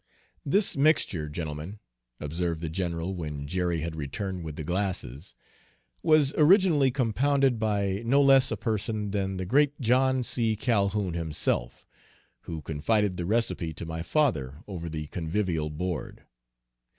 "This mixture, gentlemen," observed the general when Jerry had returned with the glasses, "was originally compounded by no less a person than the great John C. Calhoun himself, who confided the recipe to my father over the convivial board.